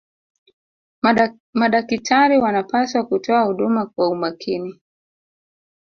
madakitari wanapaswa kutoa huduma kwa umakini